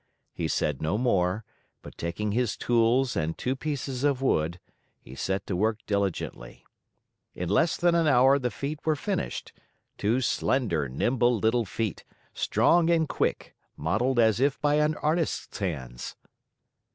He said no more, but taking his tools and two pieces of wood, he set to work diligently. In less than an hour the feet were finished, two slender, nimble little feet, strong and quick, modeled as if by an artist's hands.